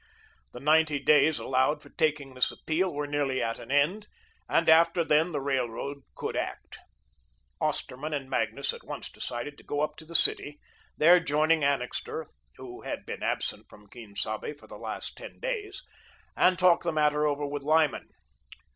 The ninety days allowed for taking this appeal were nearly at an end and after then the Railroad could act. Osterman and Magnus at once decided to go up to the city, there joining Annixter (who had been absent from Quien Sabe for the last ten days), and talk the matter over with Lyman.